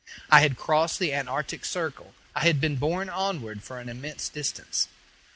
I had crossed the antarctic circle; I had been borne onward for an immense distance.